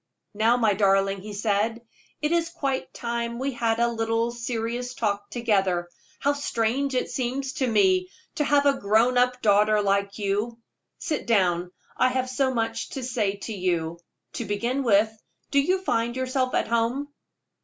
"Now, my darling," he said, "it is quite time we had a little serious talk together. How strange it seems to me to have a grown up daughter like you. Sit down; I have so much to say to you. To begin with, do you find yourself at home?"